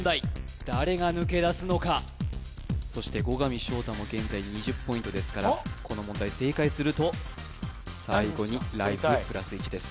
そして後上翔太も現在２０ポイントですからこの問題正解すると最後にライフプラス１です